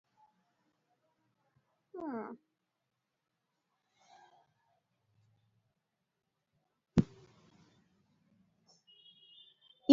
இப்படிப் பெய்த மழைத் தண்ணீரைத் தேக்கி வைக்கும் வசதியிருந்தால் பத்து ஆண்டுகளுக்கு ஒரு தடவை மழை பெய்தால்கூட போதுமானது.